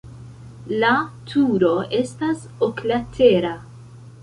La turo estas oklatera.